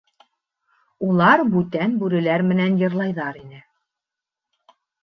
Улар бүтән бүреләр менән йырлайҙар ине.